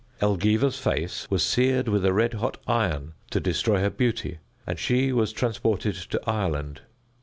Elgiva's face was seared with a red hot iron to destroy her beauty, and she was transported to Ireland.